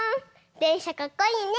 でんしゃかっこいいね。